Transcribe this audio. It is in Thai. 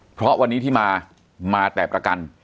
เพราะวันนี้ที่มามาแต่ประกัน